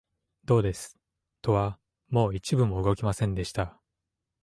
どうです、戸はもう一分も動きませんでした